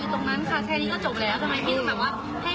คือไม่มีใครอะไรเลย